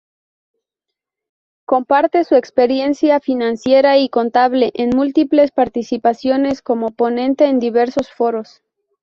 Comparte su experiencia financiera y contable en múltiples participaciones como ponente en diversos foros.